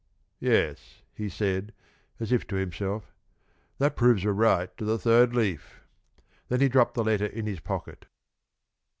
"Yes," he said, as if to himself, "that proves a right to the third leaf." Then he dropped the letter in his pocket.